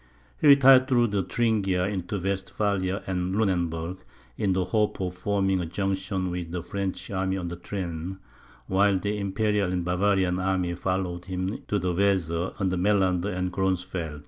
He retired through Thuringia into Westphalia and Lunenburg, in the hope of forming a junction with the French army under Turenne, while the Imperial and Bavarian army followed him to the Weser, under Melander and Gronsfeld.